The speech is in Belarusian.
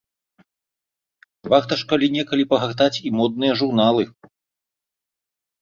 Варта ж калі-некалі пагартаць і модныя журналы.